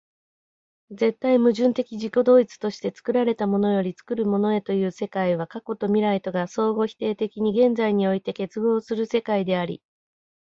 絶対矛盾的自己同一として作られたものより作るものへという世界は、過去と未来とが相互否定的に現在において結合する世界であり、